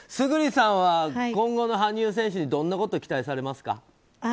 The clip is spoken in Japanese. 村主さんは今後の羽生選手にどんなことを期待されますか？